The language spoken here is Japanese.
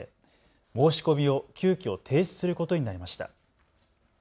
申し込みを急きょ停止することになりました。